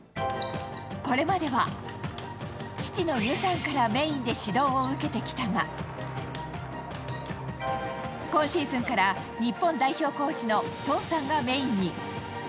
これまでは、父の宇さんからメインで指導を受けてきたが、今シーズンから、日本代表コーチのトンさんがメインに。